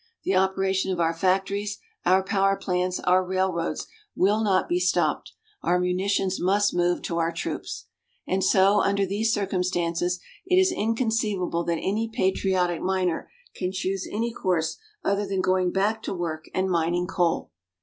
The operation of our factories, our power plants, our railroads will not be stopped. Our munitions must move to our troops. And so, under these circumstances, it is inconceivable that any patriotic miner can choose any course other than going back to work and mining coal.